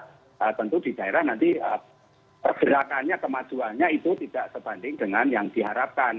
nah tentu di daerah nanti pergerakannya kemajuannya itu tidak sebanding dengan yang diharapkan